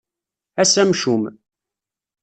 Ass amcum.